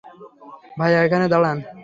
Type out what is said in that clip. ভাইয়া এখানেই দাঁড়ান।